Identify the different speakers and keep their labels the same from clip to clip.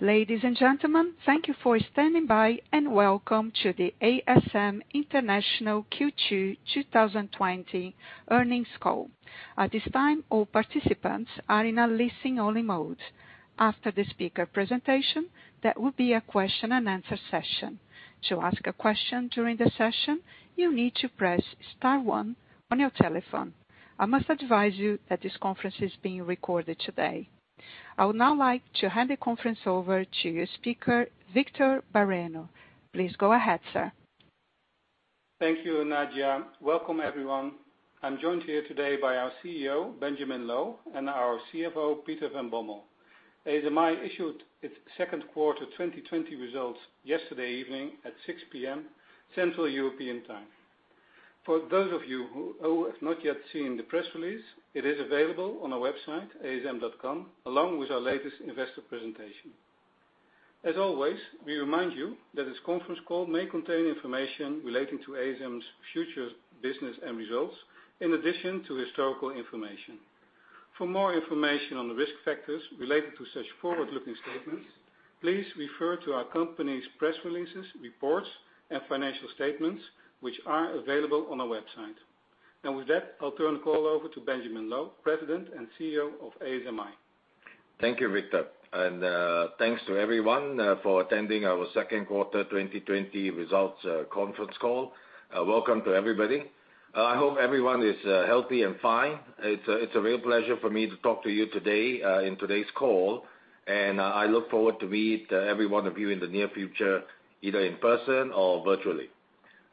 Speaker 1: Ladies and gentlemen, thank you for standing by, and welcome to the ASM International Q2 2020 earnings call. At this time, all participants are in a listen-only mode. After the speaker's presentation, there will be a question-and-answer session. To ask a question during the session, you need to press star one on your telephone. I must advise you that this conference is being recorded today. I would now like to hand the conference over to your speaker, Victor Bareño. Please go ahead, sir.
Speaker 2: Thank you, Nadia. Welcome everyone. I'm joined here today by our CEO, Benjamin Loh, and our CFO, Peter van Bommel. ASMI issued its second quarter 2020 results yesterday evening at 6:00 P.M., Central European Time. For those of you who have not yet seen the press release, it is available on our website, asm.com, along with our latest investor presentation. As always, we remind you that this conference call may contain information relating to ASM's future business and results, in addition to historical information. For more information on the risk factors related to such forward-looking statements, please refer to our company's press releases, reports, and financial statements, which are available on our website. Now with that, I'll turn the call over to Benjamin Loh, President and CEO of ASMI.
Speaker 3: Thank you, Victor. Thanks to everyone for attending our second quarter 2020 results conference call. Welcome to everybody. I hope everyone is healthy and fine. It's a real pleasure for me to talk to you today, in today's call, and I look forward to meet every one of you in the near future, either in person or virtually.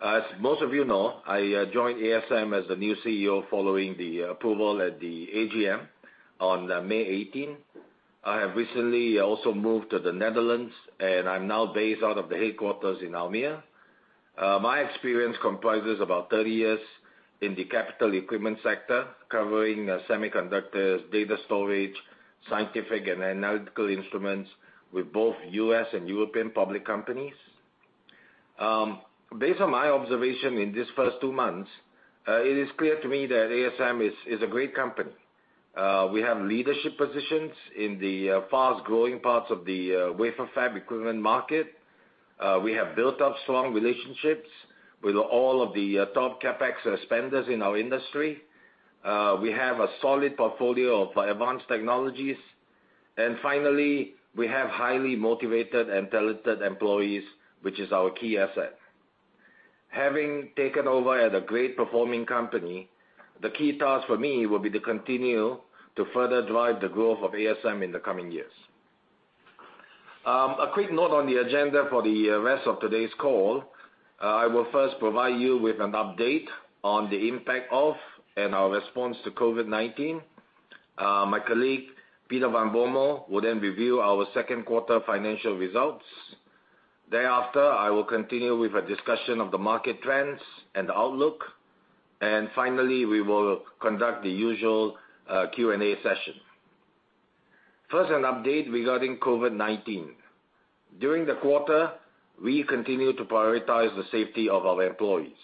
Speaker 3: As most of you know, I joined ASM as the new CEO following the approval at the AGM on May 18. I have recently also moved to the Netherlands, and I'm now based out of the headquarters in Almere. My experience comprises about 30 years in the capital equipment sector, covering semiconductors, data storage, scientific and analytical instruments, with both U.S. and European public companies. Based on my observation in these first two months, it is clear to me that ASM is a great company. We have leadership positions in the fast-growing parts of the wafer fab equipment market. We have built up strong relationships with all of the top CapEx spenders in our industry. We have a solid portfolio for advanced technologies. Finally, we have highly motivated and talented employees, which is our key asset. Having taken over at a great-performing company, the key task for me will be to continue to further drive the growth of ASM in the coming years. A quick note on the agenda for the rest of today's call. I will first provide you with an update on the impact of and our response to COVID-19. My colleague, Peter van Bommel, will then review our second-quarter financial results. Thereafter, I will continue with a discussion of the market trends and outlook. Finally, we will conduct the usual Q&A session. First, an update regarding COVID-19. During the quarter, we continued to prioritize the safety of our employees.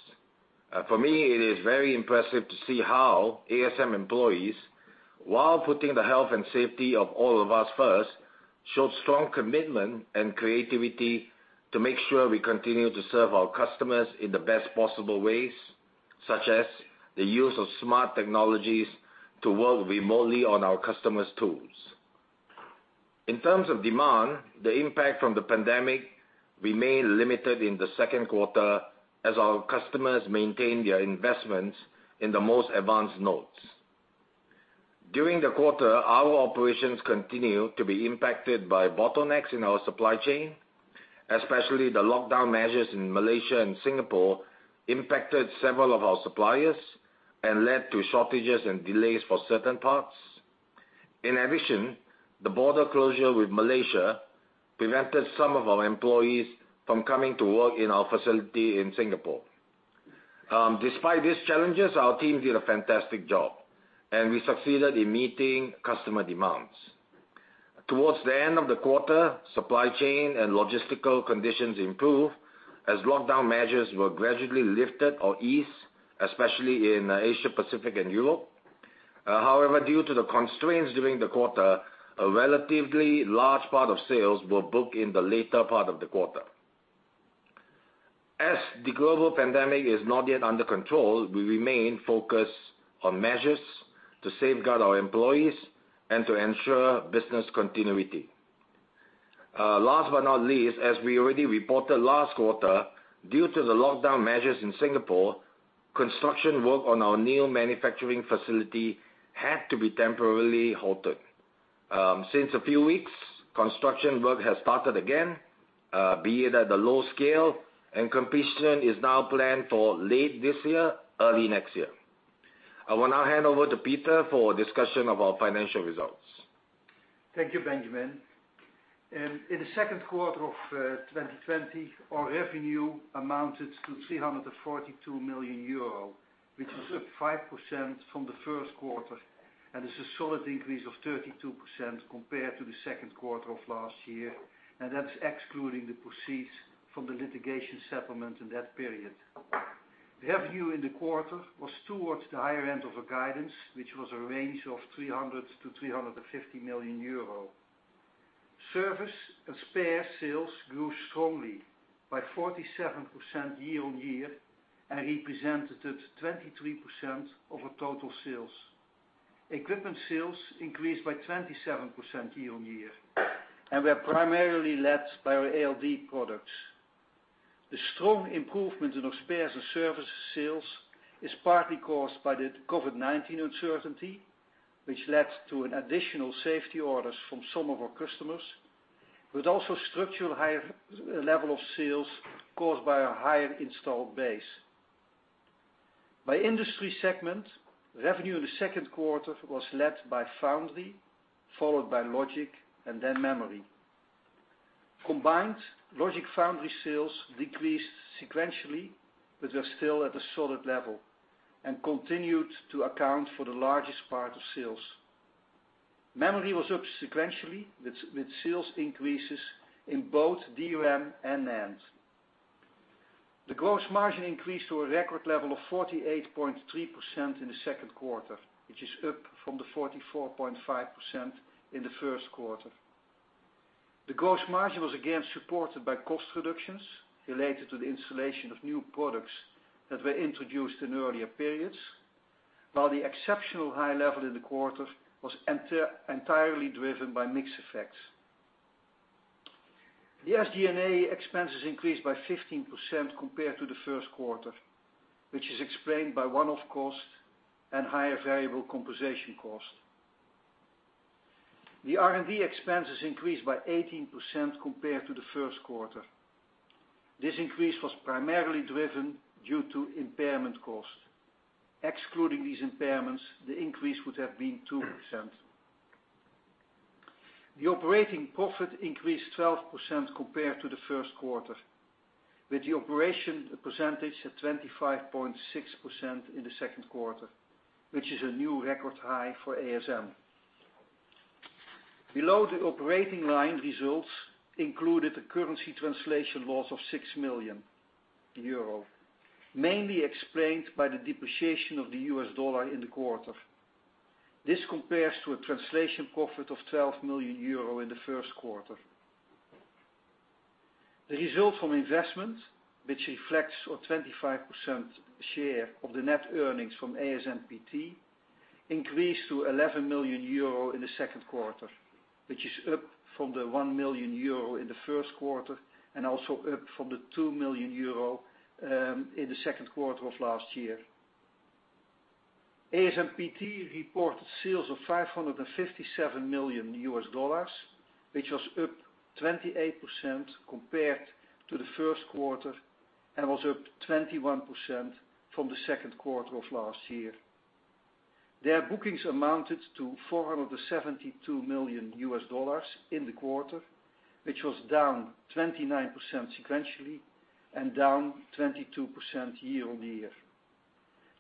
Speaker 3: For me, it is very impressive to see how ASM employees, while putting the health and safety of all of us first, showed strong commitment and creativity to make sure we continue to serve our customers in the best possible ways, such as the use of smart technologies to work remotely on our customers' tools. In terms of demand, the impact from the pandemic remained limited in the second quarter as our customers maintained their investments in the most advanced nodes. During the quarter, our operations continued to be impacted by bottlenecks in our supply chain, especially the lockdown measures in Malaysia and Singapore impacted several of our suppliers and led to shortages and delays for certain parts. In addition, the border closure with Malaysia prevented some of our employees from coming to work in our facility in Singapore. Despite these challenges, our team did a fantastic job, and we succeeded in meeting customer demands. Towards the end of the quarter, supply chain and logistical conditions improved as lockdown measures were gradually lifted or eased, especially in Asia-Pacific and Europe. However, due to the constraints during the quarter, a relatively large part of sales were booked in the later part of the quarter. As the global pandemic is not yet under control, we remain focused on measures to safeguard our employees and to ensure business continuity. Last but not least, as we already reported last quarter, due to the lockdown measures in Singapore, construction work on our new manufacturing facility had to be temporarily halted. Since a few weeks, construction work has started again, be it at a low scale, and completion is now planned for late this year, early next year. I will now hand over to Peter for a discussion of our financial results.
Speaker 4: Thank you, Benjamin. In the second quarter of 2020, our revenue amounted to 342 million euro, which is up 5% from the first quarter, and is a solid increase of 32% compared to the second quarter of last year, and that is excluding the proceeds from the litigation settlement in that period. The revenue in the quarter was towards the higher end of our guidance, which was a range of 300 million-350 million euro. Service and spare sales grew strongly by 47% year-on-year and represented 23% of our total sales. Equipment sales increased by 27% year-on-year, and were primarily led by our ALD products. The strong improvement in our spares and service sales is partly caused by the COVID-19 uncertainty, which led to additional safety orders from some of our customers, but also structural higher level of sales caused by a higher installed base. By Industry segment, revenue in the second quarter was led by Foundry, followed by Logic, and then Memory. Combined Logic Foundry sales decreased sequentially, but were still at a solid level and continued to account for the largest part of sales. Memory was up sequentially with sales increases in both DRAM and NAND. The gross margin increased to a record level of 48.3% in the second quarter, which is up from the 44.5% in the first quarter. The gross margin was again supported by cost reductions related to the installation of new products that were introduced in earlier periods, while the exceptional high level in the quarter was entirely driven by mix effects. The SG&A expenses increased by 15% compared to the first quarter, which is explained by one-off costs and higher variable compensation costs. The R&D expenses increased by 18% compared to the first quarter. This increase was primarily driven due to impairment cost. Excluding these impairments, the increase would have been 2%. The operating profit increased 12% compared to the first quarter, with the operation percentage at 25.6% in the second quarter, which is a new record high for ASM. Below the operating line results included a currency translation loss of 6 million euro, mainly explained by the depreciation of the US dollar in the quarter. This compares to a translation profit of 12 million euro in the first quarter. The result from investment, which reflects our 25% share of the net earnings from ASMPT, increased to 11 million euro in the second quarter, which is up from the 1 million euro in the first quarter and also up from the 2 million euro in the second quarter of last year. ASMPT reported sales of $557 million, which was up 28% compared to the first quarter and was up 21% from the second quarter of last year. Their bookings amounted to $472 million in the quarter, which was down 29% sequentially and down 22% year-on-year.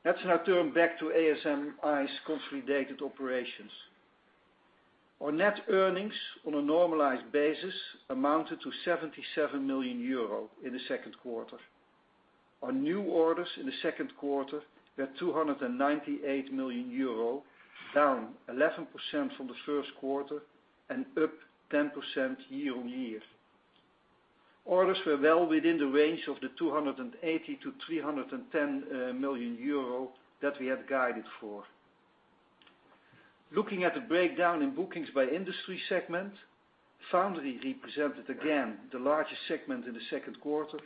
Speaker 4: Let's now turn back to ASMI's consolidated operations. Our net earnings on a normalized basis amounted to 77 million euro in the second quarter. Our new orders in the second quarter were 298 million euro, down 11% from the first quarter and up 10% year-on-year. Orders were well within the range of the 280 million-310 million euro that we had guided for. Looking at the breakdown in bookings by Industry segment, Foundry represented the largest segment again in the second quarter,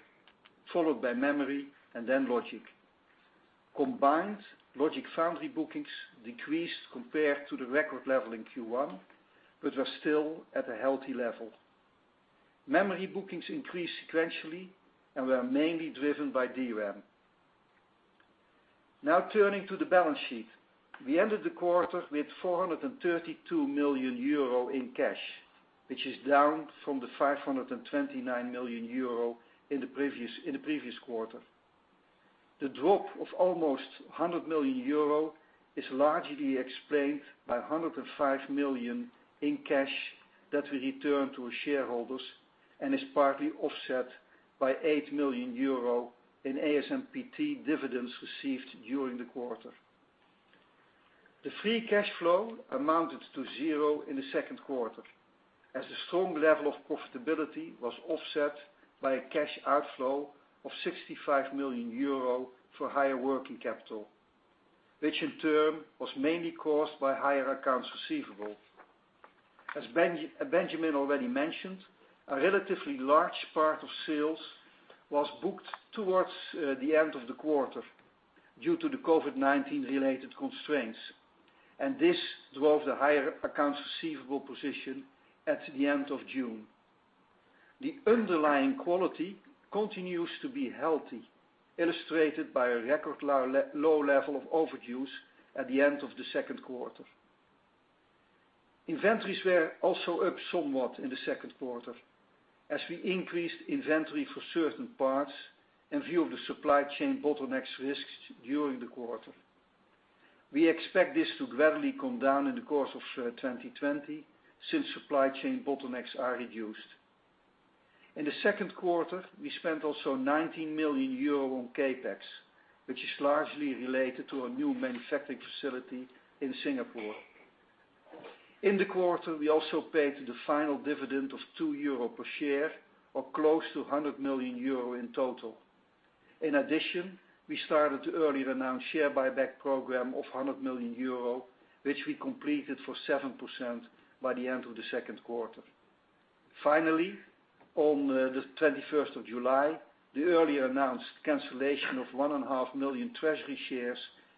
Speaker 4: followed by Memory and then Logic. Combined, logic/Foundry bookings decreased compared to the record level in Q1, but were still at a healthy level. Memory bookings increased sequentially and were mainly driven by DRAM. Turning to the balance sheet. We ended the quarter with 432 million euro in cash, which is down from the 529 million euro in the previous quarter. The drop of almost 100 million euro is largely explained by 105 million in cash that we returned to our shareholders and is partly offset by 8 million euro in ASMPT dividends received during the quarter. The free cash flow amounted to zero in the second quarter, as the strong level of profitability was offset by a cash outflow of 65 million euro for higher working capital, which in turn was mainly caused by higher accounts receivable. As Benjamin already mentioned, a relatively large part of sales was booked towards the end of the quarter due to the COVID-19-related constraints, this drove the higher accounts receivable position at the end of June. The underlying quality continues to be healthy, illustrated by a record low level of overdues at the end of the second quarter. Inventories were also up somewhat in the second quarter, as we increased inventory for certain parts in view of the supply chain bottlenecks risks during the quarter. We expect this to gradually come down in the course of 2020, since supply chain bottlenecks are reduced. In the second quarter, we also spent 19 million euro on CapEx, which is largely related to a new manufacturing facility in Singapore. In the quarter, we also paid the final dividend of 2 euro per share, or close to 100 million euro in total. In addition, we started the earlier announced share buyback program of 100 million euro, which we completed for 7% by the end of the second quarter. Finally, on the 21st of July, the earlier announced cancellation of 1.5 million treasury shares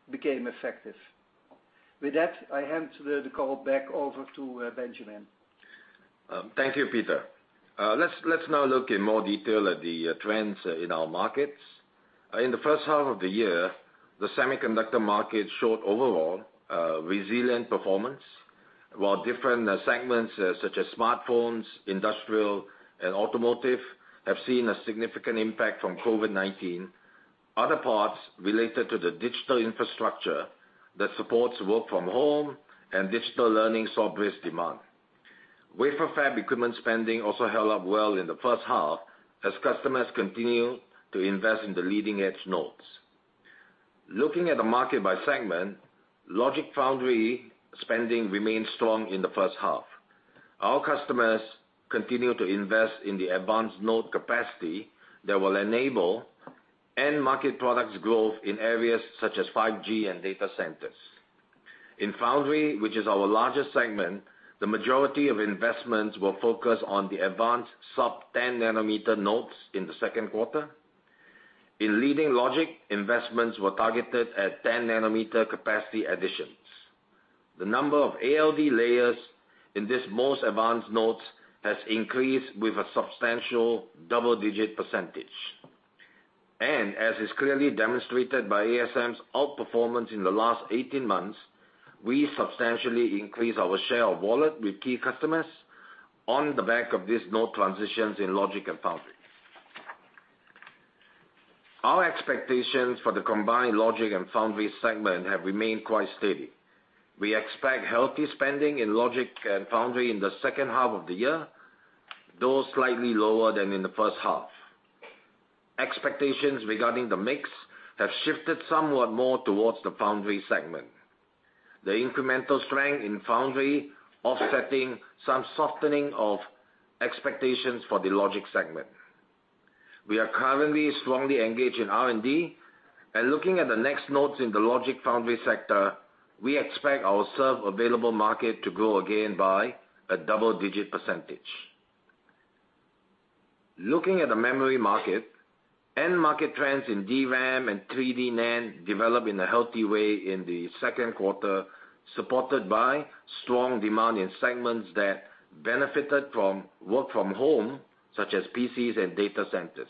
Speaker 4: became effective. With that, I hand the call back over to Benjamin.
Speaker 3: Thank you, Peter. Let's now look in more detail at the trends in our markets. In the first half of the year, the semiconductor market showed overall a resilient performance, while different segments such as smartphones, industrial, and automotive have seen a significant impact from COVID-19. Other parts related to the digital infrastructure that support work from home and digital learning saw a boost in demand. Wafer fab equipment spending also held up well in the first half, as customers continue to invest in the leading-edge nodes. Looking at the market by segment, Logic Foundry spending remained strong in the first half. Our customers continue to invest in the advanced node capacity that will enable end-market products growth in areas such as 5G and data centers. In Foundry, which is our largest segment, the majority of investments will focus on the advanced sub-10 nm nodes in the second quarter. In leading Logic, investments were targeted at 10 nm capacity additions. The number of ALD layers in these most advanced nodes has increased with a substantial double-digit percentage. As is clearly demonstrated by ASM's outperformance in the last 18 months, we substantially increased our share of wallet with key customers on the back of these node transitions in Logic and Foundry. Our expectations for the combined Logic and Foundry segment have remained quite steady. We expect healthy spending in Logic and Foundry in the second half of the year, though slightly lower than in the first half. Expectations regarding the mix have shifted somewhat more towards the Foundry segment. The incremental strength in Foundry is offsetting some softening of expectations for the Logic segment. We are currently strongly engaged in R&D, and looking at the next nodes in the Logic Foundry sector, we expect our served available market to grow again by a double-digit percentage. Looking at the Memory market, end-market trends in DRAM and 3D NAND developed in a healthy way in the second quarter, supported by strong demand in segments that benefited from work from home, such as PCs and data centers.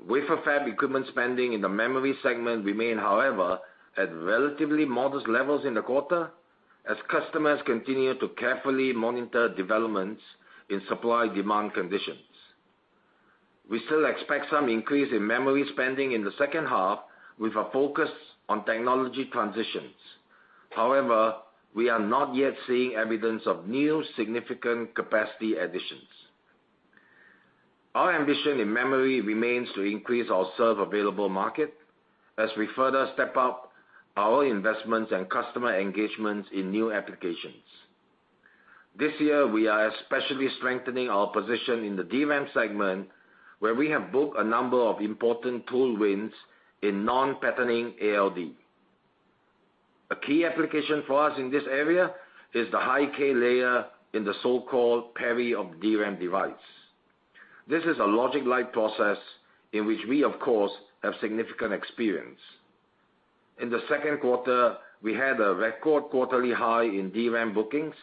Speaker 3: Wafer fab equipment spending in the Memory segment remained, however, at relatively modest levels in the quarter as customers continued to carefully monitor developments in supply-demand conditions. We still expect some increase in Memory spending in the second half with a focus on technology transitions. We are not yet seeing evidence of new significant capacity additions. Our ambition in Memory remains to increase our served available market as we further step up our investments and customer engagements in new applications. This year, we are especially strengthening our position in the DRAM segment, where we have booked a number of important tool wins in non-patterning ALD. A key application for us in this area is the high-k layer in the so-called PERI of DRAM device. This is a Logic-like process in which we, of course, have significant experience. In the second quarter, we had a record quarterly high in DRAM bookings.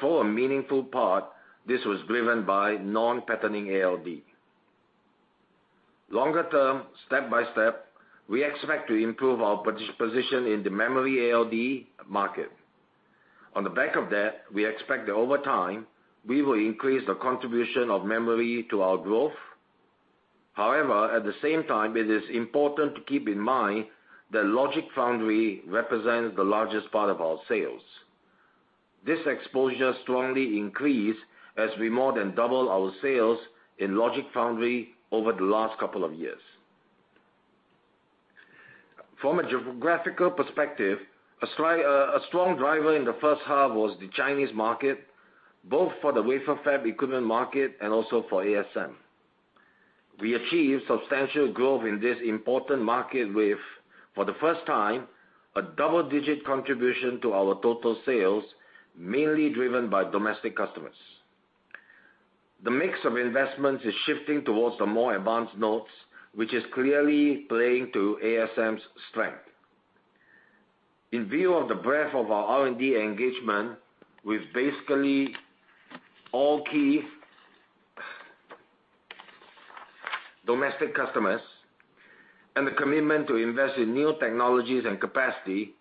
Speaker 3: For a meaningful part, this was driven by non-patterning ALD. Longer-term, step by step, we expect to improve our participation in the Memory ALD market. On the back of that, we expect that over time, we will increase the contribution of Memory to our growth. However, at the same time, it is important to keep in mind that Logic/Foundry represents the largest part of our sales. This exposure strongly increased as we more than doubled our sales in Logic/Foundry over the last couple of years. From a geographical perspective, a strong driver in the first half was the Chinese market, both for the wafer fab equipment market and also for ASM. We achieved substantial growth in this important market with, for the first time, a double-digit contribution to our total sales, mainly driven by domestic customers. The mix of investments is shifting towards the more advanced nodes, which is clearly playing to ASM's strength. In view of the breadth of our R&D engagement with basically all key domestic customers and the commitment to invest in new technologies and capacity,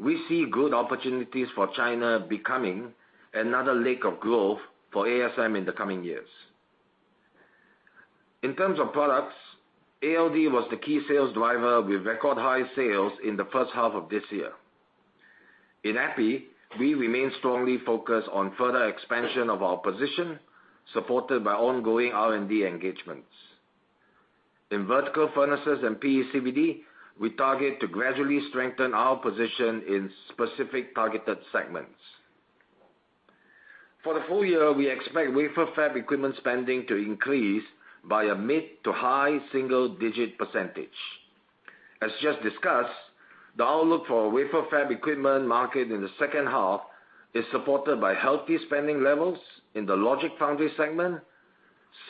Speaker 3: we see good opportunities for China becoming another leg of growth for ASM in the coming years. In terms of products, ALD was the key sales driver with record-high sales in the first half of this year. In EPI, we remain strongly focused on further expansion of our position, supported by ongoing R&D engagements. In vertical furnaces and PECVD, we target to gradually strengthen our position in specific targeted segments. For the full year, we expect wafer fab equipment spending to increase by a mid-to-high single-digit percentage. As just discussed, the outlook for the wafer fab equipment market in the second half is supported by healthy spending levels in the Logic/Foundry segment,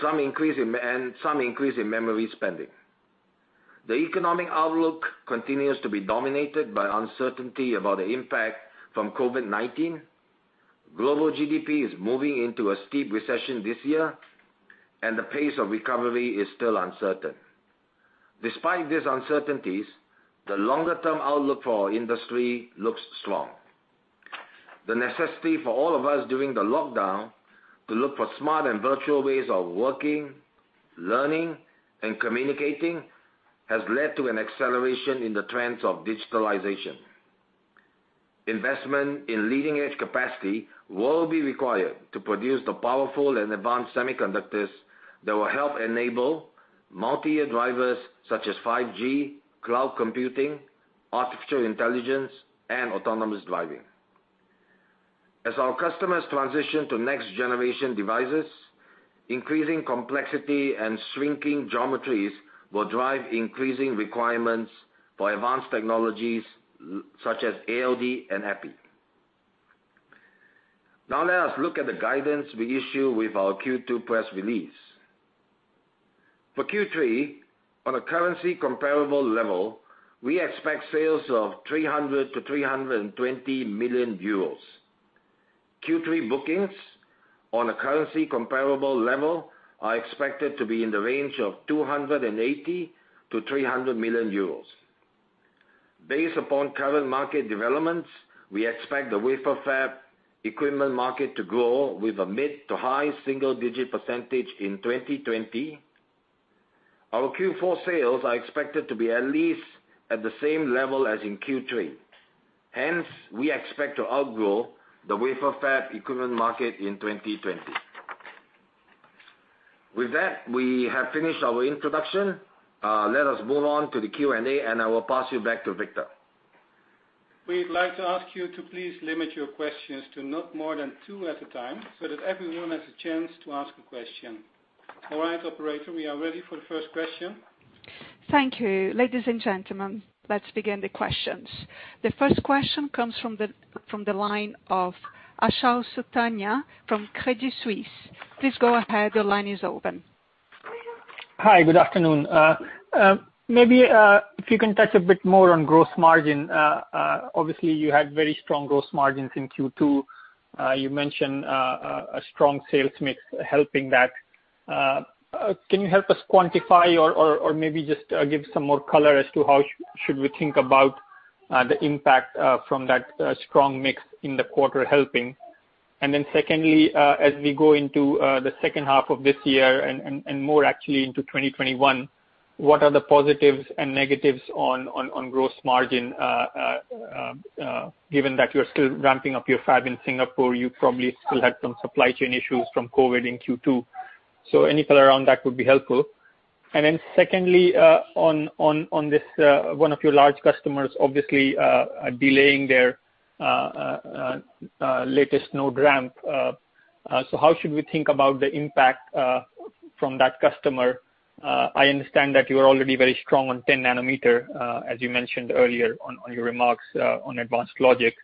Speaker 3: and some increase in Memory spending. The economic outlook continues to be dominated by uncertainty about the impact from COVID-19. Global GDP is moving into a steep recession this year, and the pace of recovery is still uncertain. Despite these uncertainties, the longer-term outlook for our industry looks strong. The necessity for all of us during the lockdown to look for smart and virtual ways of working, learning, and communicating has led to an acceleration in the trends of digitalization. Investment in leading-edge capacity will be required to produce the powerful and advanced semiconductors that will help enable multi-year drivers such as 5G, cloud computing, artificial intelligence, and autonomous driving. As our customers transition to next-generation devices, increasing complexity and shrinking geometries will drive increasing requirements for advanced technologies such as ALD and EPI. Now, let us look at the guidance we issued with our Q2 press release. For Q3, on a currency comparable level, we expect sales of 300 million-320 million euros. Q3 bookings on a currency comparable level are expected to be in the range of 280 million-300 million euros. Based upon current market developments, we expect the wafer fab equipment market to grow with a mid-to-high single-digit percentage in 2020. Our Q4 sales are expected to be at least at the same level as in Q3. Hence, we expect to outgrow the wafer fab equipment market in 2020. With that, we have finished our introduction. Let us move on to the Q&A, and I will pass you back to Victor.
Speaker 2: We'd like to ask you to please limit your questions to not more than two at a time, so that everyone has a chance to ask a question. All right, operator, we are ready for the first question.
Speaker 1: Thank you. Ladies and gentlemen, let's begin the questions. The first question comes from the line of Achal Sultania from Credit Suisse. Please go ahead. The line is open.
Speaker 5: Hi, good afternoon. Maybe if you can touch a bit more on gross margin. Obviously, you had very strong gross margins in Q2. You mentioned a strong sales mix helping with that. Can you help us quantify, or maybe just give some more color as to how we should think about the impact from that strong mix in the quarter helping? Secondly, as we go into the second half of this year and more actually into 2021, what are the positives and negatives on gross margin? Given that you're still ramping up your fab in Singapore, you probably still had some supply chain issues from COVID in Q2. Any color around that would be helpful. Secondly, on one of your large customers obviously delaying their latest node ramp-up. How should we think about the impact from that customer? I understand that you are already very strong on 10 nm, as you mentioned earlier on your remarks on advanced Logic.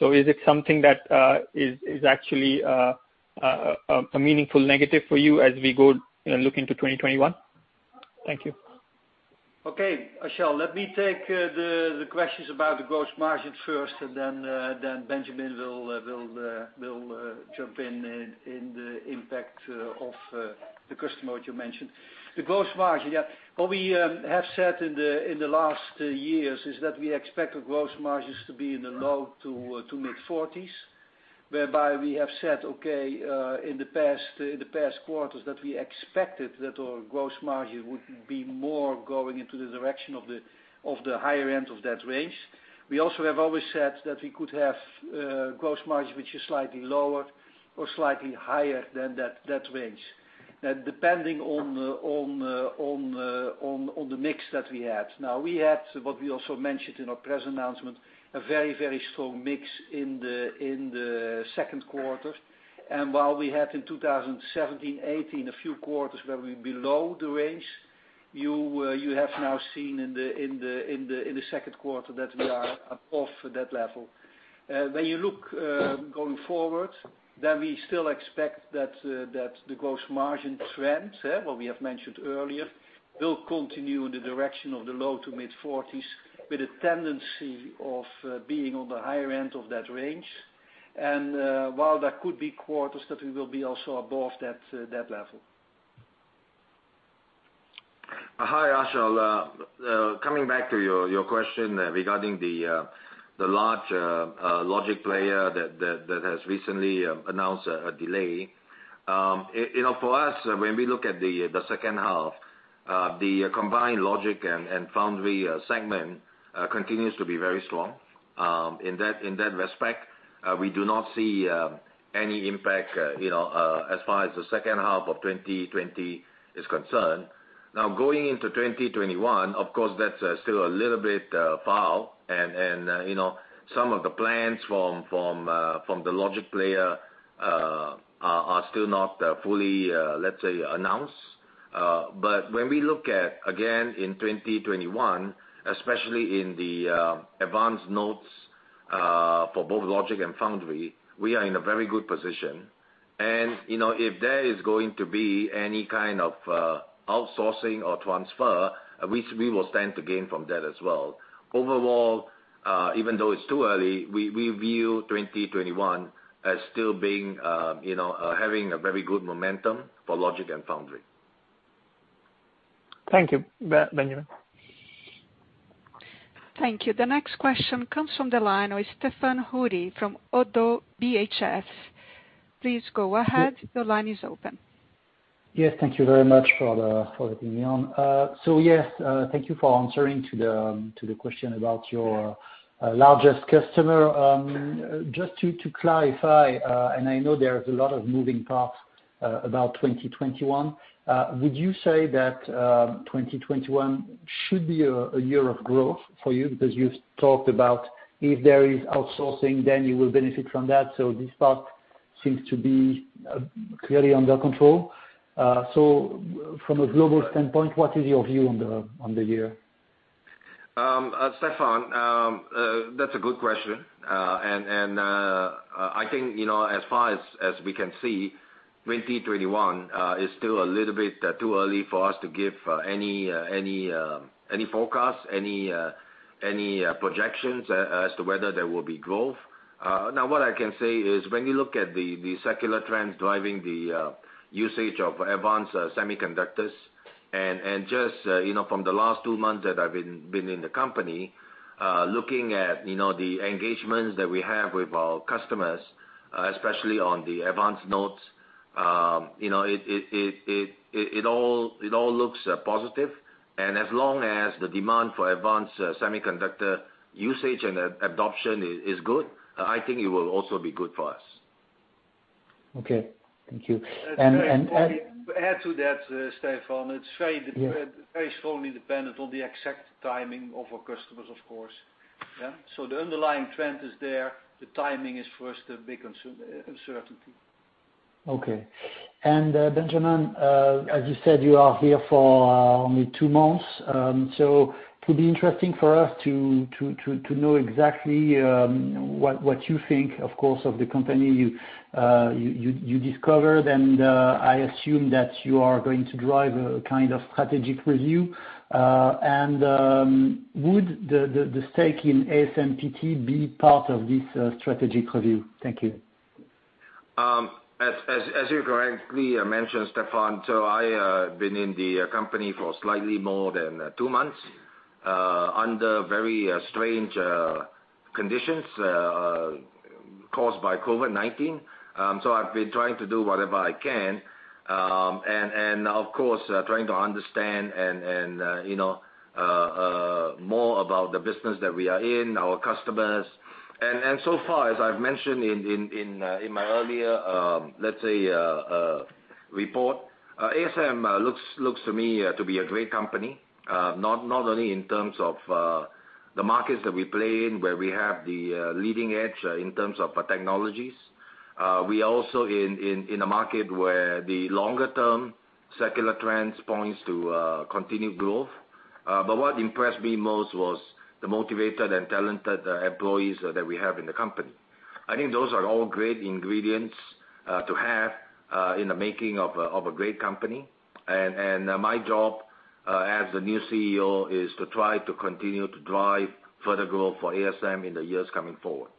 Speaker 5: Is it something that is actually a meaningful negative for you as we go look into 2021? Thank you.
Speaker 4: Achal, let me take the questions about the gross margin first. Then Benjamin will jump in the impact of the customer that you mentioned. The gross margin, yeah. What we have said in the last years is that we expect our gross margins to be in the low to mid-40s, whereby we have said, okay, in the past quarters, that we expected that our gross margin would be more going into the direction of the higher end of that range. We also have always said that we could have a gross margin, which is slightly lower or slightly higher than that range, depending on the mix that we had. Now, we had, what we also mentioned in our press announcement, a very strong mix in the second quarter. While we had in 2017, 2018, a few quarters where we are below the range, you have now seen in the second quarter that we are above that level. When you look going forward, we still expect that the gross margin trend, what we have mentioned earlier, will continue in the direction of the low to mid-40s, with a tendency of being on the higher end of that range. While there could be quarters that we will also be above that level.
Speaker 3: Hi, Achal. Coming back to your question regarding the large Logic player that has recently announced a delay. For us, when we look at the second half, the combined Logic and Foundry segment continues to be very strong. In that respect, we do not see any impact, as far as the second half of 2020 is concerned. Now, going into 2021, of course, that's still a little bit far, and some of the plans from the Logic player are still not fully, let's say, announced. When we look at, again, in 2021, especially in the advanced nodes for both Logic and Foundry, we are in a very good position. If there is going to be any kind of outsourcing or transfer, we will stand to gain from that as well. Overall, even though it's too early, we view 2021 as still having a very good momentum for Logic and Foundry.
Speaker 5: Thank you. Benjamin.
Speaker 1: Thank you. The next question comes from the line of Stéphane Houri from ODDO BHF. Please go ahead. Your line is open.
Speaker 6: Yes, thank you very much for letting me on. Yes, thank you for answering to the question about your largest customer. Just to clarify, I know there is a lot of moving parts about 2021. Would you say that 2021 should be a year of growth for you? You talked about if there is outsourcing, then you will benefit from that; this part seems to be clearly under control. From a global standpoint, what is your view on the year?
Speaker 3: Stéphane, that's a good question. I think, as far as we can see, 2021 is still a little bit too early for us to give any forecast, any projections as to whether there will be growth. What I can say is when you look at the secular trends driving the usage of advanced semiconductors, and just from the last two months that I've been in the company, looking at the engagements that we have with our customers, especially on the advanced nodes. It all looks positive. As long as the demand for advanced semiconductor usage and adoption is good, I think it will also be good for us.
Speaker 6: Okay. Thank you.
Speaker 4: To add to that, Stéphane, it's very strongly dependent on the exact timing of our customers, of course. Yeah. The underlying trend is there. The timing is for us, the big uncertainty.
Speaker 6: Benjamin, as you said, you are here for only two months. It could be interesting for us to know exactly what you think, of course, of the company you discovered. I assume that you are going to drive a kind of strategic review. Would the stake in ASMPT be part of this strategic review? Thank you.
Speaker 3: As you correctly mentioned, Stéphane, I have been in the company for slightly more than two months, under very strange conditions caused by COVID-19. I've been trying to do whatever I can. Of course, trying to understand more about the business that we are in, our customers. So far as I've mentioned in my earlier, let's say, report, ASM looks to me to be a great company. Not only in terms of the markets that we play in, where we have the leading edge in terms of the technologies. We are also in a market where the longer-term secular trends point to continued growth. What impressed me most was the motivated and talented employees that we have in the company. I think those are all great ingredients to have in the making of a great company. My job as the new CEO is to try to continue to drive further growth for ASM in the years coming forward.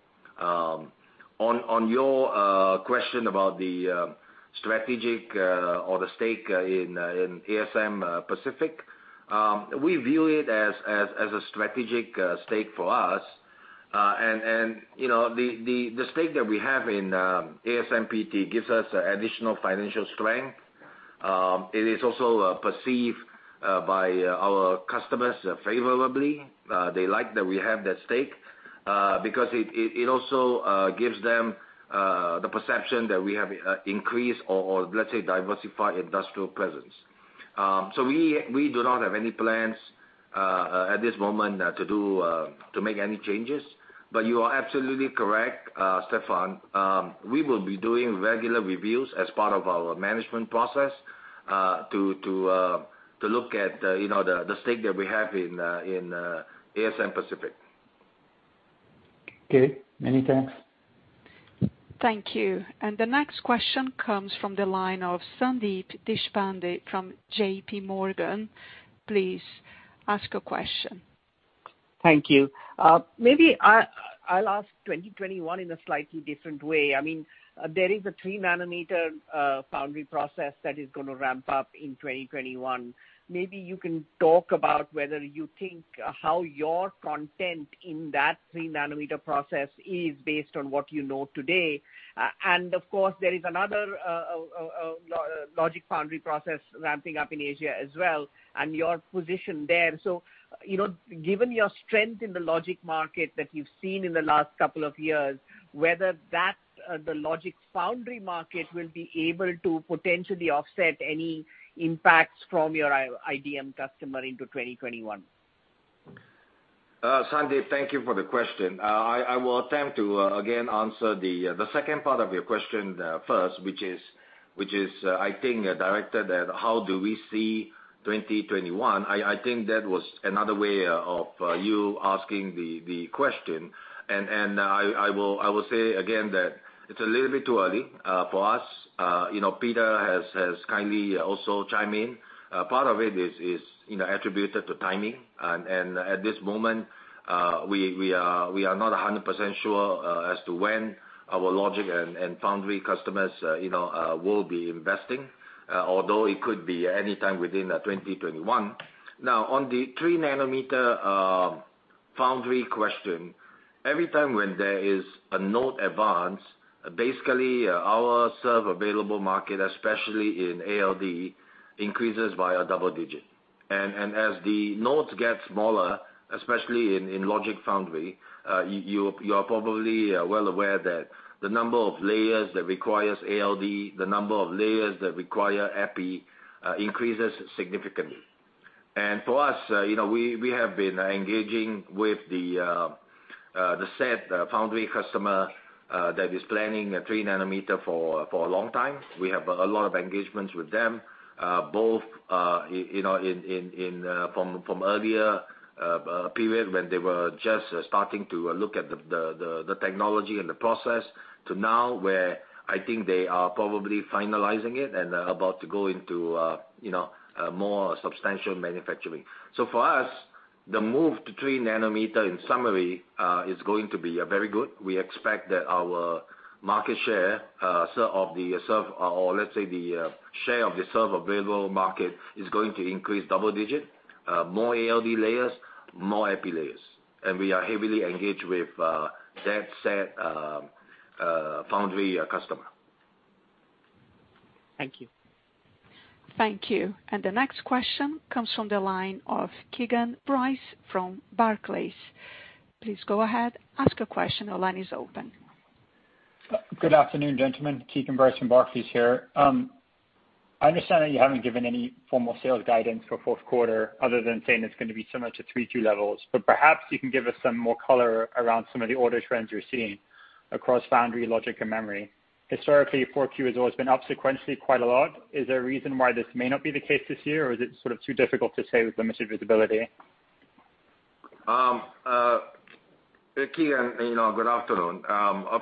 Speaker 3: On your question about the strategic or the stake in ASM Pacific, we view it as a strategic stake for us. The stake that we have in ASMPT gives us additional financial strength. It is also perceived by our customers favorably. They like that we have that stake, because it also gives them the perception that we have increased or let's say, diversified industrial presence. We do not have any plans at this moment to make any changes. You are absolutely correct, Stéphane. We will be doing regular reviews as part of our management process, to look at the stake that we have in ASM Pacific.
Speaker 6: Okay. Many thanks.
Speaker 1: Thank you. The next question comes from the line of Sandeep Deshpande from JPMorgan. Please ask a question.
Speaker 7: Thank you. Maybe I'll ask 2021 in a slightly different way. There is a 3 nm Foundry process that is going to ramp up in 2021. Maybe you can talk about whether you think how your content in that 3 nm process is based on what you know today. Of course, there is another Logic/Foundry process ramping up in Asia as well, and your position there. Given your strength in the Logic market that you've seen in the last couple of years, whether the Logic/Foundry market will be able to potentially offset any impacts from your IDM customer into 2021.
Speaker 3: Sandeep, thank you for the question. I will attempt to, again, answer the second part of your question first, which is, I think, directed at how do we see 2021. I think that was another way of you asking the question. I will say again that it's a little bit too early for us. Peter has kindly also chimed in. Part of it is attributed to timing, and at this moment, we are not 100% sure as to when our Logic and Foundry customers will be investing, although it could be any time within 2021. On the 3 nm Foundry question, every time when there is a node advance, basically our served available market, especially in ALD, increases by a double digit. As the nodes get smaller, especially in Logic Foundry, you are probably well aware that the number of layers that require ALD, the number of layers that require EPI increase significantly. For us, we have been engaging with the said Foundry customer that is planning a 3 nm for a long time. We have a lot of engagements with them, both from the earlier period when they were just starting to look at the technology and the process to now, where I think they are probably finalizing it and about to go into more substantial manufacturing. For us, the move to 3 nm, in summary, is going to be very good. We expect that our market share of the serve, or let's say the share of the served available market, is going to increase by double-digit, more ALD layers, more EPI layers. We are heavily engaged with that said Foundry customer.
Speaker 7: Thank you.
Speaker 1: Thank you. The next question comes from the line of Keagan Bryce from Barclays. Please go ahead, ask your question. Your line is open.
Speaker 8: Good afternoon, gentlemen. Keagan Bryce from Barclays here. I understand that you haven't given any formal sales guidance for the fourth quarter other than saying it's going to be similar to three, two levels. Perhaps you can give us some more color around some of the order trends you're seeing across Foundry, Logic, and Memory. Historically, 4Q has always been up sequentially quite a lot. Is there a reason why this may not be the case this year, or is it sort of too difficult to say with limited visibility?
Speaker 3: Keagan, good afternoon.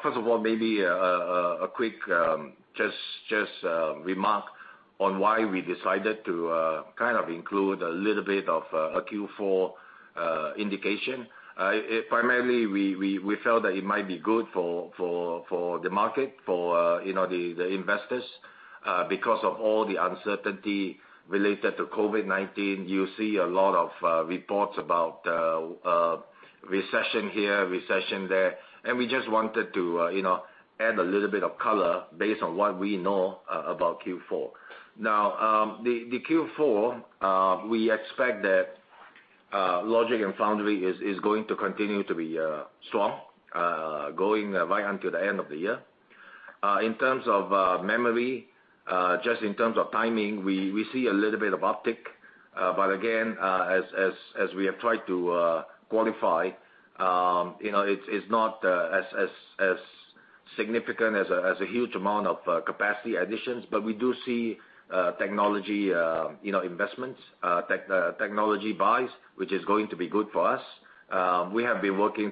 Speaker 3: First of all, maybe a quick just remark on why we decided to include a little bit of a Q4 indication. Primarily, we felt that it might be good for the market, for the investors, because of all the uncertainty related to COVID-19. You see a lot of reports about recession here, recession there. We just wanted to add a little bit of color based on what we know about Q4. The Q4, we expect that Logic and Foundry is going to continue to be strong, going right until the end of the year. In terms of Memory, just in terms of timing, we see a little bit of uptick. Again, as we have tried to qualify, it's not as significant as a huge amount of capacity additions. We do see technology investments, technology buys, which is going to be good for us. We have been working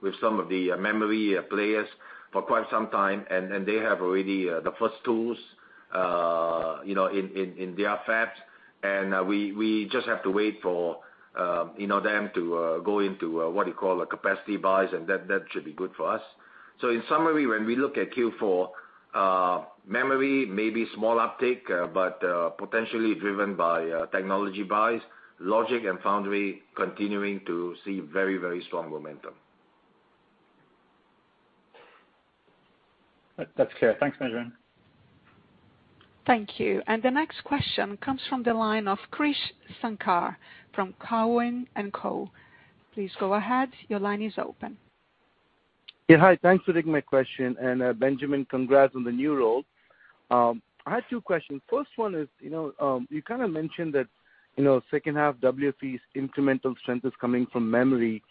Speaker 3: with some of the Memory players for quite some time, and they already have the first tools in their fabs, and we just have to wait for them to go into what you call capacity buys, and that should be good for us. In summary, when we look at Q4, Memory may be a small uptick, but potentially driven by technology buys. Logic and Foundry are continuing to see very strong momentum.
Speaker 8: That's clear. Thanks, Benjamin.
Speaker 1: Thank you. The next question comes from the line of Krish Sankar from Cowen & Co.. Please go ahead. Your line is open.
Speaker 9: Yeah, hi. Thanks for taking my question. Benjamin, congrats on the new role. I had two questions. First one is, you kind of mentioned that the second half WFE's incremental strength is coming from Memory.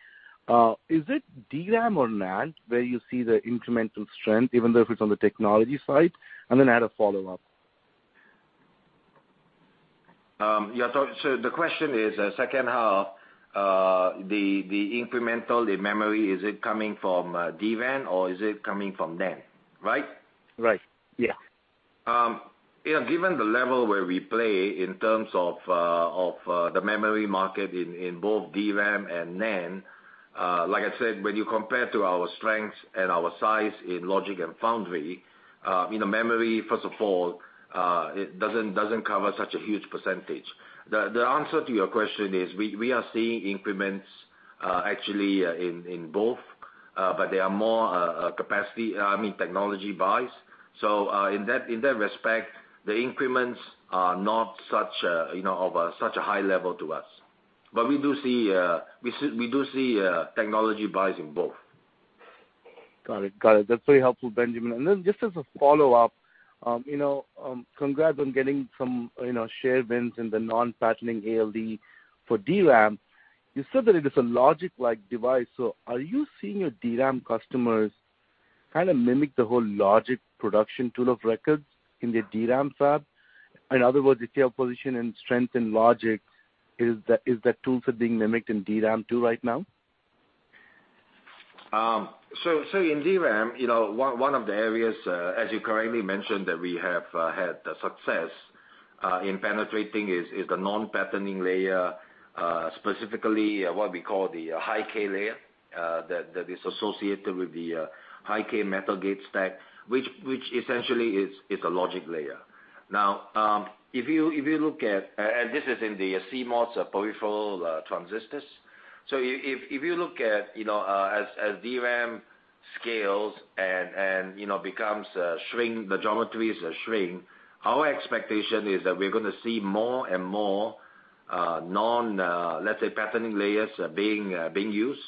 Speaker 9: Is it DRAM or NAND where you see the incremental strength, even though if it's on the technology side? Add a follow-up.
Speaker 3: The question is, in the second half, the incremental in Memory, is it coming from DRAM or is it coming from NAND, right?
Speaker 9: Right. Yeah.
Speaker 3: Given the level where we play in terms of the Memory market in both DRAM and NAND, like I said, when you compare to our strengths and our size in Logic and Foundry, Memory, first of all, it doesn't cover such a huge percentage. The answer to your question is, we are seeing increments actually in both, but they are more technology buys. In that respect, the increments are not of such a high level to us. We do see technology buys in both.
Speaker 9: Got it. That's very helpful, Benjamin. Just as a follow-up, congrats on getting some share wins in the non-patterning ALD for DRAM. You said that it is a Logic-like device. Are you seeing your DRAM customers kind of mimic the whole Logic production tool of record in their DRAM fab? In other words, your tool position and strength in Logic is that tool set being mimicked in DRAM too, right now?
Speaker 3: In DRAM, one of the areas, as you correctly mentioned, that we have had success in penetrating is the non-patterning layer, specifically what we call the high-k layer that is associated with the high-k metal gate stack, which essentially is a Logic layer. This is in the CMOS poly-gate transistors. If you look at, as DRAM scales and the geometries shrink, our expectation is that we're going to see more and more non, let's say, patterning layers being used.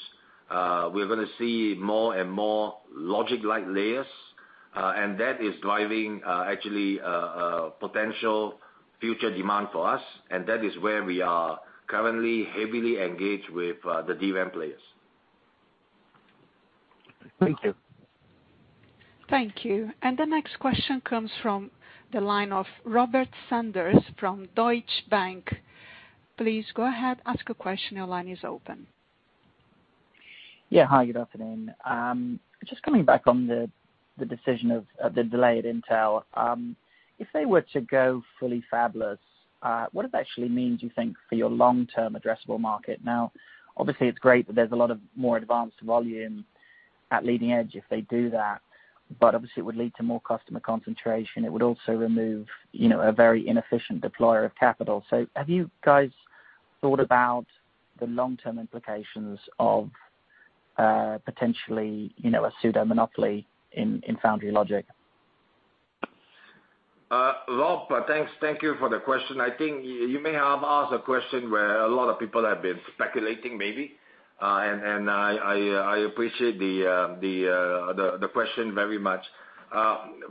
Speaker 3: We're going to see more and more Logic-like layers, and that is driving actually, potential future demand for us, and that is where we are currently heavily engaged with the DRAM players.
Speaker 9: Thank you.
Speaker 1: Thank you. The next question comes from the line of Robert Sanders from Deutsche Bank. Please go ahead and ask your question. Your line is open.
Speaker 10: Hi, good afternoon. Just coming back on the decision of the delay at Intel. If they were to go fully fabless, what does that actually mean, do you think, for your long-term addressable market? Obviously, it's great that there's a lot of more advanced volume at the leading edge if they do that, but obviously it would lead to more customer concentration. It would also remove a very inefficient deployer of capital. Have you guys thought about the long-term implications of potentially a pseudo-monopoly in Foundry Logic?
Speaker 3: Rob, thank you for the question. I think you may have asked a question where a lot of people have been speculating, maybe, and I appreciate the question very much.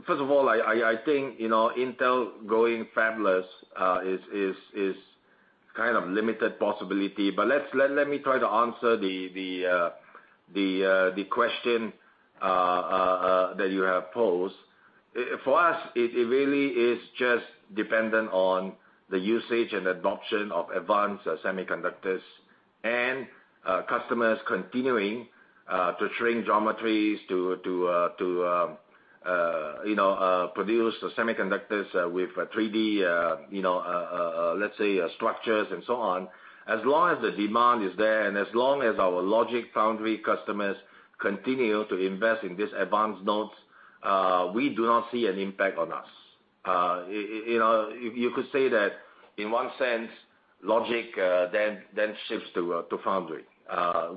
Speaker 3: First of all, I think Intel's going fabless is a kind of limited possibility, but let me try to answer the question that you have posed. For us, it really is just dependent on the usage and adoption of advanced semiconductors, and customers continuing to shrink geometries to produce semiconductors with 3D, let's say, structures and so on. As long as the demand is there and as long as our Logic/Foundry customers continue to invest in these advanced nodes, we do not see an impact on us. You could say that in one sense, Logic then shifts to Foundry.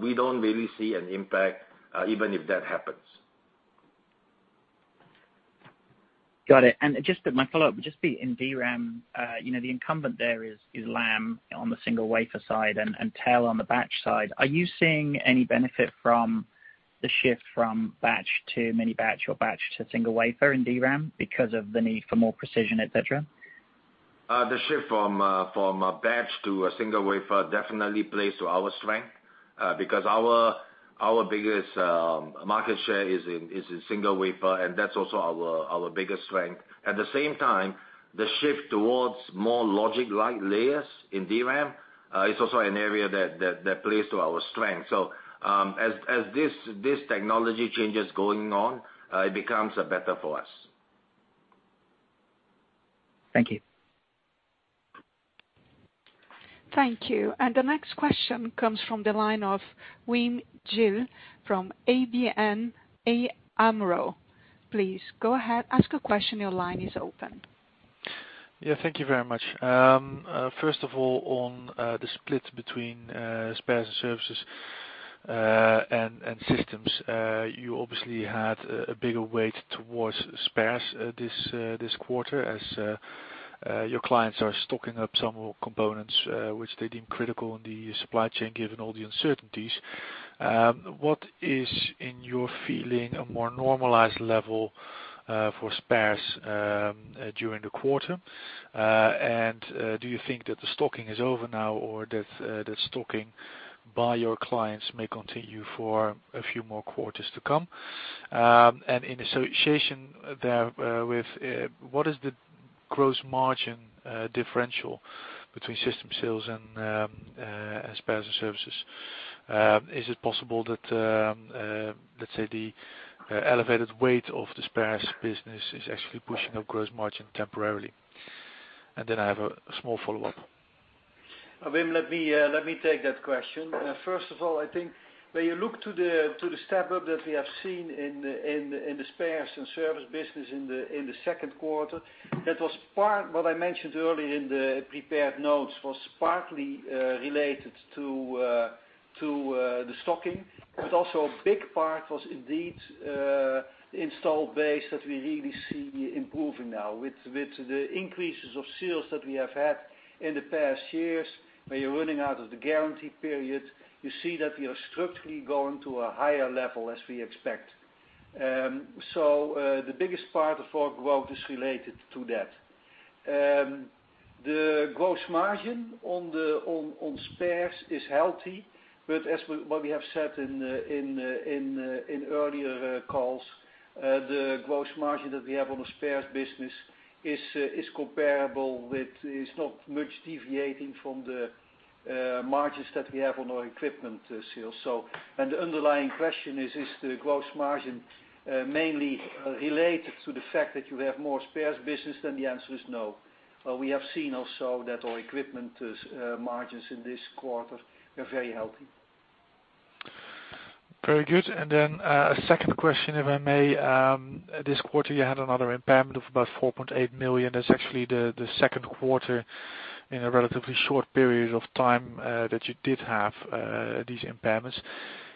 Speaker 3: We don't really see an impact even if that happens.
Speaker 10: Got it. Just my follow-up, just the DRAM, the incumbent there is Lam on the single wafer side and TEL on the batch side. Are you seeing any benefit from the shift from batch to mini batch or batch to single wafer in DRAM because of the need for more precision, et cetera?
Speaker 3: The shift from batch to a single wafer definitely plays to our strength, because our biggest market share is in single wafer, and that's also our biggest strength. At the same time, the shift towards more Logic-like layers in DRAM is also an area that plays to our strength. As this technology change is going on, it becomes better for us.
Speaker 10: Thank you.
Speaker 1: Thank you. The next question comes from the line of Wim Gille from ABN AMRO. Please go ahead, ask your question. Your line is open.
Speaker 11: Yeah, thank you very much. First of all, on the split between spares and services and systems, you obviously had a bigger weight towards spares this quarter, as your clients are stocking up some components which they deem critical in the supply chain, given all the uncertainties. What is, in your feeling, a more normalized level for spares during the quarter? Do you think that the stocking is over now or that the stocking by your clients may continue for a few more quarters to come? In association there with, what is the gross margin differential between system sales, and spares, and services? Is it possible that, let's say, the elevated weight of the spares business is actually pushing up gross margin temporarily? Then I have a small follow-up.
Speaker 4: Wim, let me take that question. First of all, I think when you look to the step up that we have seen in the spares and service business in the second quarter, what I mentioned earlier in the prepared notes, was partly related to the stocking, but also a big part was indeed the installed base that we really see improving now. With the increases of sales that we have had in the past years, when you're running out of the guarantee period, you see that we are structurally going to a higher level as we expect. The biggest part of our growth is related to that. The gross margin on spares is healthy, but as what we have said in earlier calls, the gross margin that we have on the spares business is comparable with, is not much deviating from, the margins that we have on our equipment sales. The underlying question is the gross margin, mainly related to the fact that you have more spare business. The answer is no. We have also seen that our equipment margins in this quarter were very healthy.
Speaker 11: Very good. A second question, if I may. This quarter, you had another impairment of about 4.8 million. That's actually the second quarter in a relatively short period of time that you did have these impairments.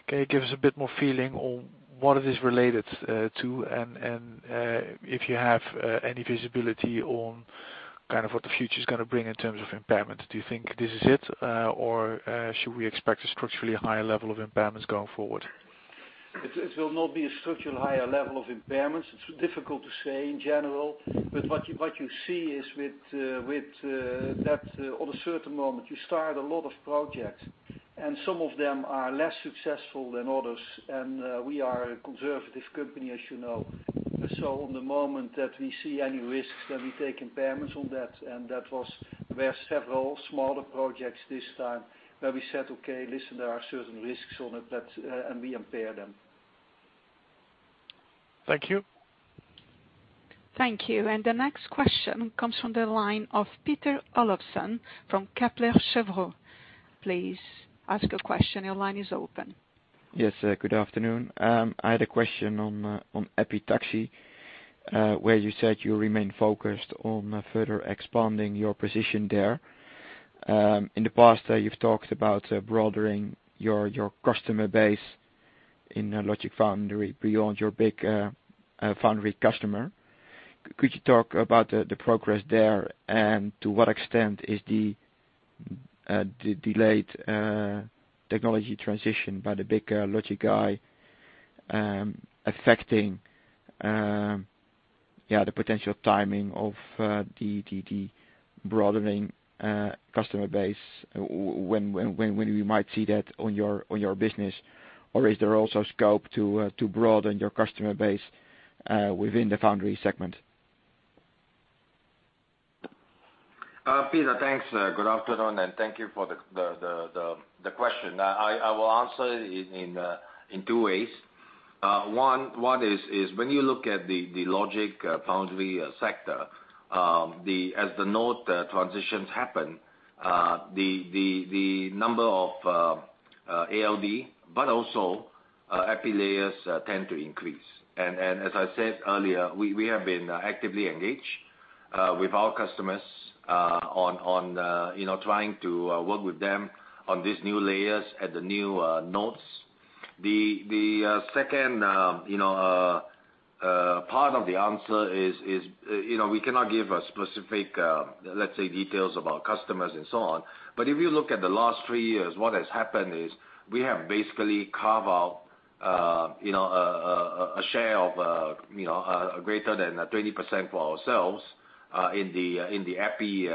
Speaker 11: Can you give us a bit more of a feeling on what it is related to? If you have any visibility on what the future's going to bring in terms of impairment. Do you think this is it, or should we expect a structurally higher level of impairments going forward?
Speaker 4: It will not be a structurally higher level of impairment. It's difficult to say in general, but what you see is with that on a certain moment, you start a lot of projects, and some of them are less successful than others. We are a conservative company, as you know. On the moment that we see any risks, then we take impairment on that, and that was where several smaller projects this time, where we said, "Okay, listen, there are certain risks on it," and we impair them.
Speaker 11: Thank you.
Speaker 1: Thank you. The next question comes from the line of Peter Olofsen from Kepler Cheuvreux. Please ask your question. Your line is open.
Speaker 12: Yes, good afternoon. I had a question on epitaxy, where you said you remain focused on further expanding your position there. In the past, you've talked about broadening your customer base in Logic/Foundry beyond your big Foundry customer. Could you talk about the progress there, and to what extent is the delayed technology transition by the bigger Logic guy affecting the potential timing of the broadening customer base, when we might see that on your business? Or is there also scope to broaden your customer base within the Foundry segment?
Speaker 3: Peter, thanks. Good afternoon, thank you for the question. I will answer in two ways. One is when you look at the Logic/Foundry sector, as the node transitions happen, the number of ALD, but also EPI layers, tends to increase. As I said earlier, we have been actively engaged with our customers on trying to work with them on these new layers at the new nodes. The second part of the answer is we cannot give specific, let's say, details about customers and so on. If you look at the last three years, what has happened is we have basically carved out a share of greater than 20% for ourselves in the EPI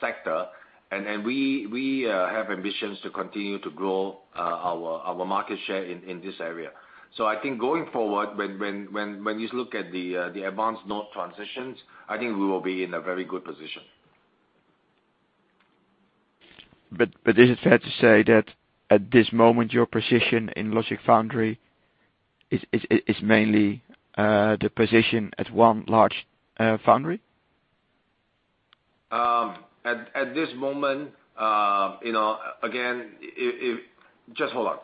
Speaker 3: sector. We have ambitions to continue to grow our market share in this area. I think going forward, when you look at the advanced node transitions, I think we will be in a very good position.
Speaker 12: Is it fair to say that at this moment, your position in Logic/Foundry is mainly the position at one large Foundry?
Speaker 3: At this moment, again, just hold on.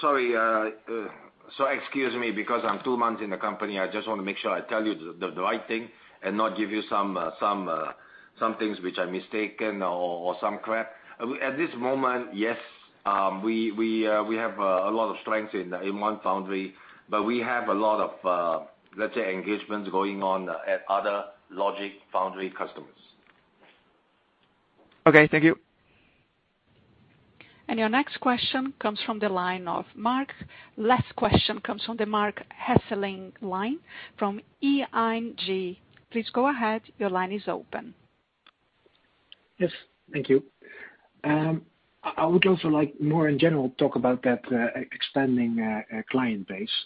Speaker 3: Sorry. Excuse me, because I'm two months in the company, I just want to make sure I tell you the right thing and not give you some things which are mistaken or some crap. At this moment, yes, we have a lot of strength in one Foundry; we have a lot of, let's say, engagements going on at other Logic/Foundry customers.
Speaker 12: Okay, thank you.
Speaker 1: Your next question comes from the line of Marc. Last question comes from the Marc Hesselink line from ING. Please go ahead. Your line is open.
Speaker 13: Yes. Thank you. I would also like more in general talk about that expanding client base.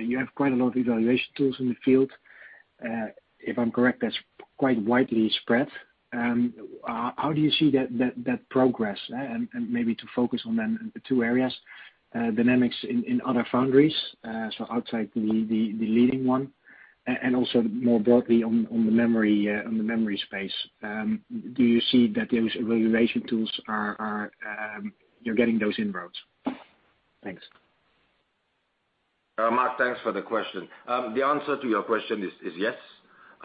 Speaker 13: You have quite a lot of evaluation tools in the field. If I'm correct, that's quite widely spread. How do you see that progress? Maybe to focus on the two areas, dynamics in other foundries, so outside the leading one, and also more broadly on the Memory space. Do you see that those evaluation tools, you're getting those inroads? Thanks.
Speaker 3: Marc, thanks for the question. The answer to your question is yes.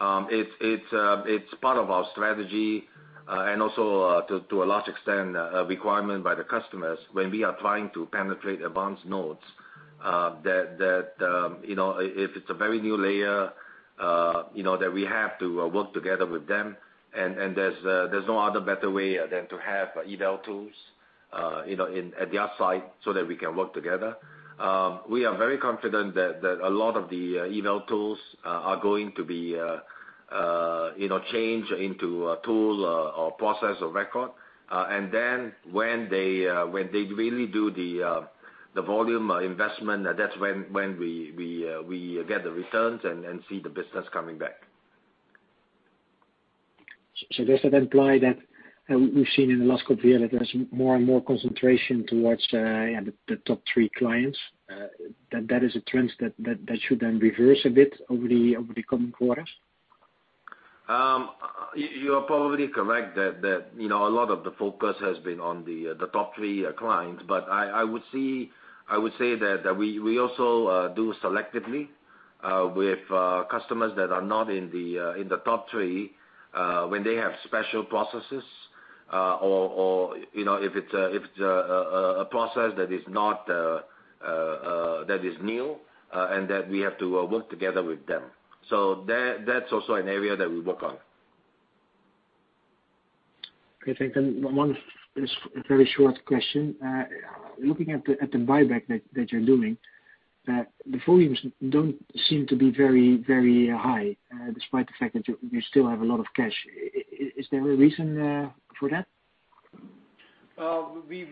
Speaker 3: It's part of our strategy, and also, to a large extent, a requirement by the customers when we are trying to penetrate advanced nodes. That, if it's a very new layer, that we have to work together with them, and there's no other better way than to have eval tools at their site so that we can work together. We are very confident that a lot of the eval tools are going to be changed into a tool or process of record. When they really do the volume investment, that's when we get the returns and see the business coming back.
Speaker 13: Does that imply that we've seen in the last couple of years that there's more and more concentration towards the top three clients? That is a trend that should then reverse a bit over the coming quarters?
Speaker 3: You are probably correct that a lot of the focus has been on the top three clients, but I would say that we also do selectively with customers that are not in the top three, when they have special processes or if it's a process that is new, and that we have to work together with them. That's also an area that we work on.
Speaker 13: Okay. Thank you. One very short question. Looking at the buyback that you're doing, the volumes don't seem to be very high, despite the fact that you still have a lot of cash. Is there a reason there for that?
Speaker 4: We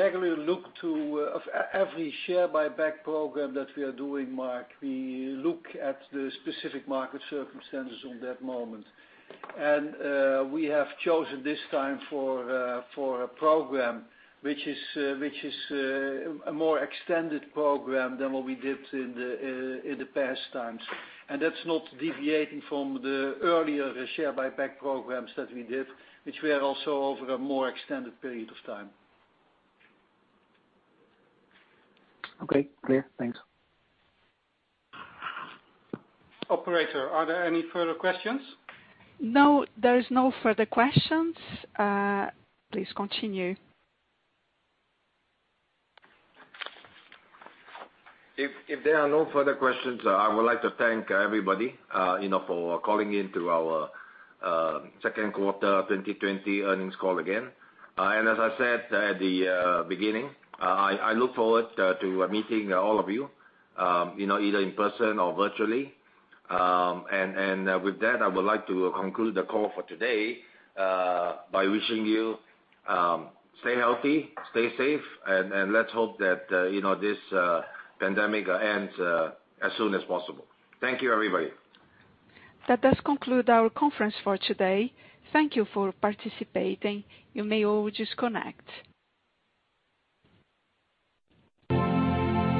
Speaker 4: regularly look to, of every share buyback program that we are doing, Marc, we look at the specific market circumstances on that moment. We have chosen this time for a program which is a more extended program than what we did in the past times. That's not deviating from the earlier share buyback programs that we did, which were also over a more extended period of time.
Speaker 13: Okay, clear. Thanks.
Speaker 3: Operator, are there any further questions?
Speaker 1: No, there is no further questions. Please continue.
Speaker 3: If there are no further questions, I would like to thank everybody for calling in to our second quarter 2020 earnings call again. As I said at the beginning, I look forward to meeting all of you, either in person or virtually. With that, I would like to conclude the call for today, by wishing you stay healthy, stay safe, and let's hope that this pandemic ends as soon as possible. Thank you, everybody.
Speaker 1: That does conclude our conference for today. Thank you for participating. You may all disconnect.